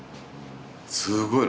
すごいの。